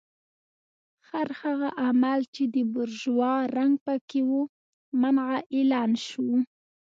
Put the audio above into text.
هر هغه عمل چې د بورژوا رنګ پکې و منع اعلان شو.